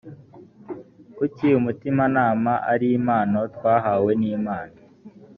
kuki umutimanama ari impano twahawe n imana